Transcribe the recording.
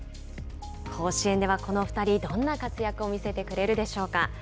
甲子園ではこの２人どんな活躍を見せてくれるでしょうか。